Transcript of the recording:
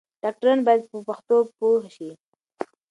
ډاکټران بايد په پښتو پوه شي.